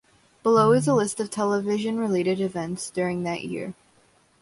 Below is a list of television-related events during that year.